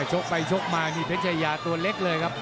โชคไปโชคมามีไพรัชยาตัวเล็กเลยครับ